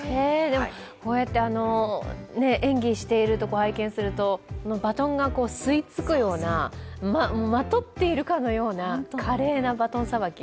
でも、演技しているところを拝見すると、バトンが吸い付くような、まとっているかのような華麗なバトンさばき。